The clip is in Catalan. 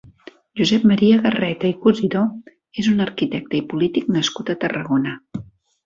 Josep Maria Garreta i Cusidó és un arquitecte i polític nascut a Tarragona.